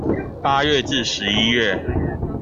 八月至十一月